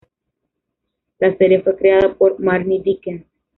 La serie fue creada por Marnie Dickens.